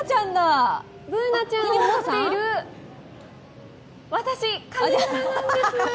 Ｂｏｏｎａちゃんを持っている私、上村なんです！